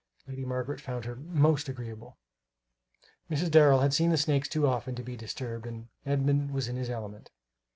Lady Margaret found her "most agreeable." Mrs. Darrel had seen the snakes too often to be disturbed, and Edmund was in his element.